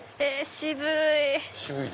渋い！